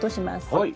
はい。